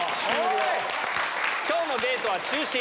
今日のデートは中止。